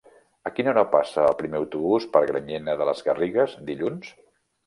A quina hora passa el primer autobús per Granyena de les Garrigues dilluns?